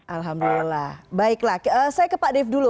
alhamdulillah baiklah saya ke pak dave dulu